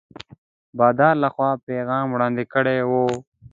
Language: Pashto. بادار له خوا پیغام وړاندي کړی وو.